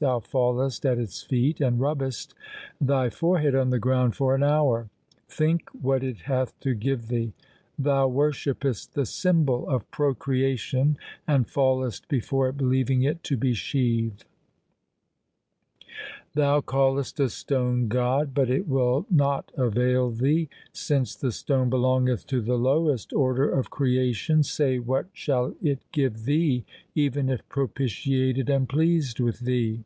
Thou fallest at its feet, and rubbest thy forehead on the ground for an hour. Think what it hath to give thee. Thou worshippest the symbol of pro creation, and fallest before it believing it to be Shiv. Thou callest a stone God, but it will not avail thee. Since the stone belongeth to the lowest order of creation, say what shall it give thee even if propitiated and pleased with thee